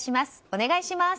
お願いします。